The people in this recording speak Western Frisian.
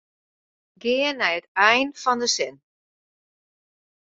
Gean nei it ein fan de sin.